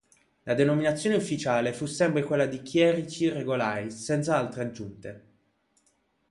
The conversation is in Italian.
La denominazione ufficiale fu sempre quella di "chierici regolari", senza altre aggiunte.